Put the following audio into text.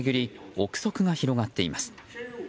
憶測が広がっています。